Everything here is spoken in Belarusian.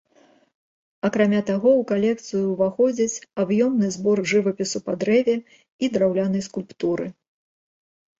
Акрамя таго ў калекцыю ўваходзіць аб'ёмны збор жывапісу па дрэве і драўлянай скульптуры.